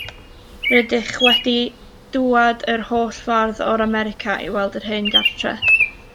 Rydych wedi dŵad yr holl ffordd o'r America i weld yr hen gartre?